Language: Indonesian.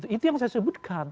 itu yang saya sebutkan